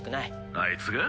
あいつが？